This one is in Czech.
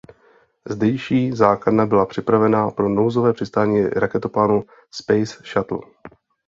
Zdejší základna byla připravena pro nouzové přistání raketoplánu Space Shuttle.